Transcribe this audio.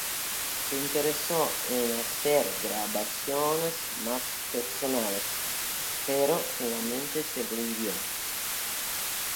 Se interesó en hacer grabaciones más personales, pero finalmente se rindió.